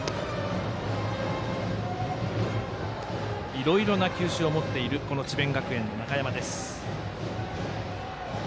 いろいろな球種を持っている智弁学園の中山です。